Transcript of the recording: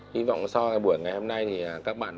hy vọng sau buổi ngày hôm nay thì các bạn